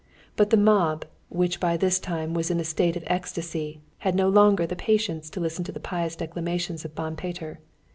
But the mob, which by this time was in a state of ecstasy, had no longer the patience to listen to the pious declamations of Ban Peter.